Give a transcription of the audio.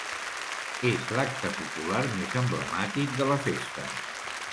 És l'acte popular més emblemàtic de la festa.